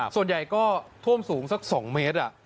ส่วนใหญ่ก็ท่วมสูงสัก๒เมตร